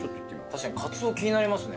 確かにかつお気になりますね。